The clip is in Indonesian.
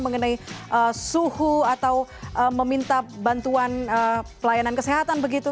mengenai suhu atau meminta bantuan pelayanan kesehatan begitu